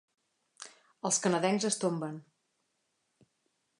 Els canadencs es tomben.